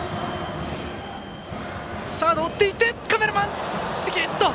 サード追っていってカメラマン席へ。